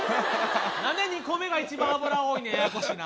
何で２個目が一番脂多いねんややこしいな。